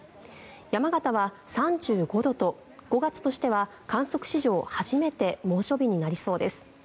山形は３５度と５月としては観測史上初めて猛暑日になりそうです。